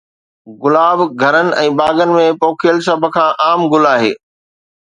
گلاب گهرن ۽ باغن ۾ پوکيل سڀ کان عام گل آهي